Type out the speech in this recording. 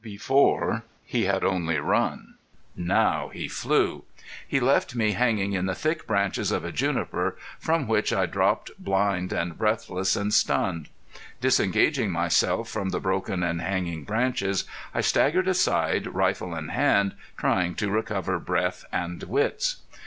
Before he had only run now he flew! He left me hanging in the thick branches of a juniper, from which I dropped blind and breathless and stunned. Disengaging myself from the broken and hanging branches I staggered aside, rifle in hand, trying to recover breath and wits.